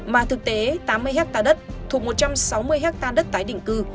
mà thực tế tám mươi ha đất thuộc một trăm sáu mươi ha đất tái định cư